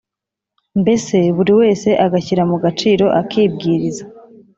mbese buri wese agashyira mu gaciro akibwiriza